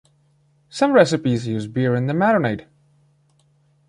Some recipes use beer in the marinade.